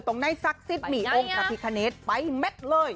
ตรงในซักซิตมีองค์ประพิกาเนตไปเม็ดเลย